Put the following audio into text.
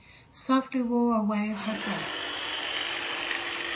SOFTLY WOO AWAY HER BREATH.